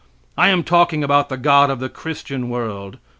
I am talking about the God of the Christian world.